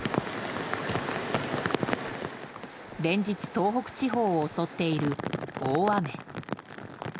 連日、東北地方を襲っている大雨。